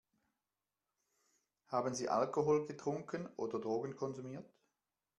Haben Sie Alkohol getrunken oder Drogen konsumiert?